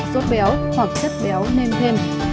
sốt béo hoặc chất béo nêm thêm